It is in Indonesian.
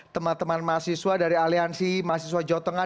teman teman mahasiswa dari aliansi mahasiswa jawa tengah